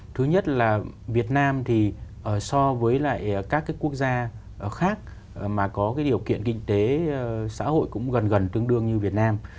thứ nhất là việt nam thì so với lại các cái quốc gia khác mà có cái điều kiện kinh tế xã hội cũng gần gần tương đương như việt nam